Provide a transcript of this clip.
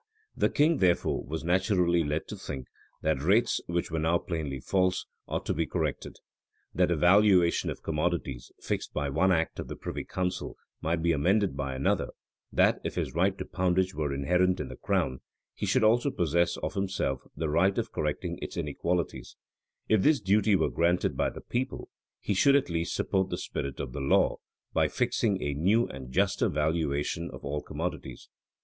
The king, therefore, was naturally led to think, that rates which were now plainly false, ought to be corrected;[*] that a valuation of commodities, fixed by one act of the privy council, might be amended by another; that if his right to poundage were inherent in the crown, he should also possess, of himself, the right of correcting its inequalities; if this duty were granted by the people, he should at least support the spirit of the law, by fixing a new and a juster valuation of all commodities.